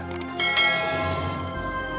ku jauh begitu